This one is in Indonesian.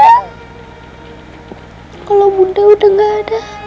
ya allah bunda udah gak ada